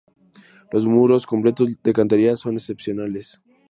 Los muros completos de cantería son excepcionales.